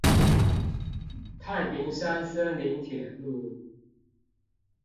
太平山森林鐵路